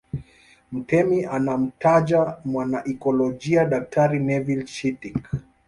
Mtemi anamtaja mwanaikolojia Daktari Neville Chittick